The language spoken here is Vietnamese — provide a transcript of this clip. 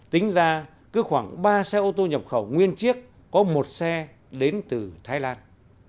tính ra cứ khoảng ba xe ô tô nhập khẩu nguyên chiếc có một xe đến từ thái lan